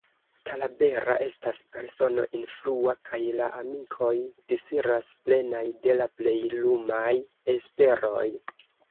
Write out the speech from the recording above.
Talabera estas persono influa, kaj la amikoj disiras, plenaj de la plej lumaj esperoj.